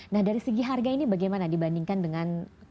nah dari segi harga ini bagaimana dibandingkan dengan